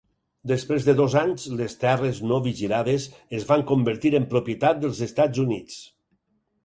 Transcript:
Després de dos anys, les terres no vigilades es van convertir en propietat dels Estats Units.